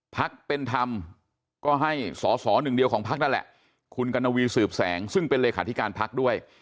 พักเป็นธรรมก็ให้สอสอหนึ่งเดียวของพักนั่นแหละคุณกัณวีสืบแสงซึ่งเป็นเลขาธิการพักด้วย